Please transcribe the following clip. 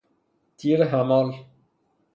تیر حمال